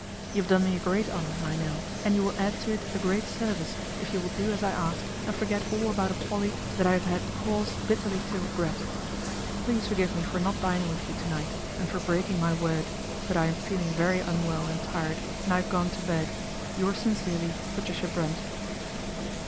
" You have done me a great honour, I know, and you will add to it a great service if you will do as I ask and forget all about a folly that I have had cause bitterly to regret. " Please forgive me for not dining with you to night and for breaking my word ; but I arn feeling very unwell and tired and I have gone to bed. " Yours sincerely, "PATRICIA BRENT."